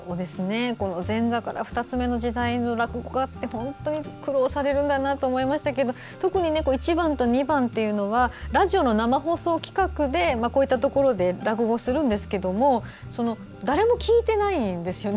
前座から二ツ目の時代の落語家って本当に苦労されるんだなと思いましたが特に１番と２番はラジオの生放送企画でこういったところで落語をするんですけれども誰も聞いていないんですよね。